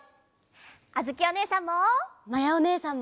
あづきおねえさんも！